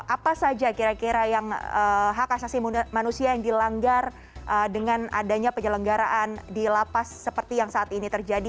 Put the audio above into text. apa saja kira kira yang hak asasi manusia yang dilanggar dengan adanya penyelenggaraan di lapas seperti yang saat ini terjadi